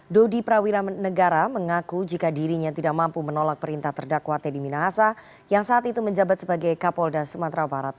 dodi prawira negara mengaku jika dirinya tidak mampu menolak perintah terdakwa teddy minahasa yang saat itu menjabat sebagai kapolda sumatera barat